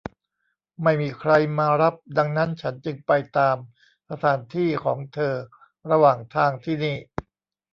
ไม่มีใครมารับดังนั้นฉันจึงไปตามสถานที่ของเธอระหว่างทางที่นี่